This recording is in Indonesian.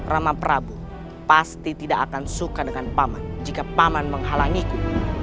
rama prabu pasti tidak akan suka dengan paman jika paman menghalangiku